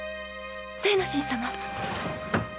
精之進様！